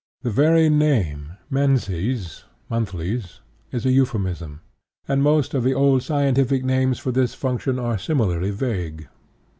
The very name, menses ("monthlies"), is a euphemism, and most of the old scientific names for this function are similarly vague.